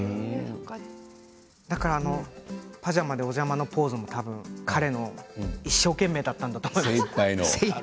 だから「パジャマでおじゃま」のポーズも彼の一生懸命だったんだと思います。